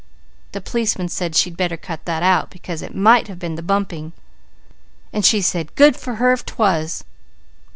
The policeman said she'd better cut that out, because it might have been the bumping, and she said 'good for her if 'twas.'